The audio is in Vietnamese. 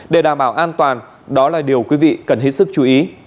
để đảm bảo an toàn đó là điều quý vị cần hết sức chú ý